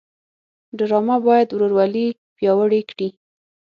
ډرامه باید ورورولي پیاوړې کړي